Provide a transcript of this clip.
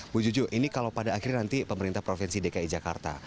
bu juju ini kalau pada akhirnya nanti pemerintah provinsi dki jakarta